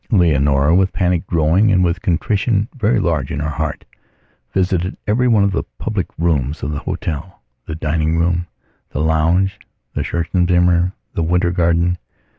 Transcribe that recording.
Leonora, with panic growing and with contrition very large in her heart, visited every one of the public rooms of the hotelthe dining room, the lounge, the schreibzimmer, the winter garden.